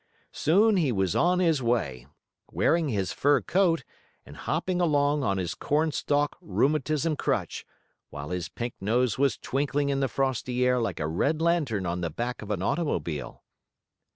Soon he was on his way, wearing his fur coat, and hopping along on his corn stalk rheumatism crutch, while his pink nose was twinkling in the frosty air like a red lantern on the back of an automobile.